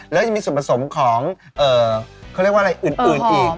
แล้วยังมีส่วนผสมของเขาเรียกว่าอะไรอื่นอีก